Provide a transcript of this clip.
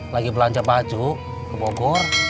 lagi belanja baju ke bogor